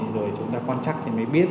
rồi chúng ta quan trắc thì mới biết được